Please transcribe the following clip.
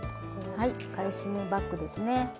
はい返し縫いバックですね。